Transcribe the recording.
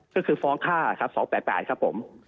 ก็คือฟ้องข้า๒๘๘ครับผม